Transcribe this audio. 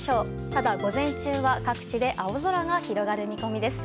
ただ、午前中は各地で青空が広がる見込みです。